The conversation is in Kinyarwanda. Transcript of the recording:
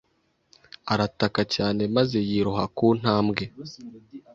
Arataka cyane maze yiroha ku ntambwe